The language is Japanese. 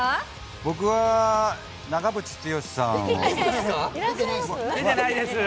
僕は長渕剛さんを。